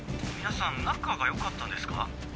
皆さん仲が良かったんですか？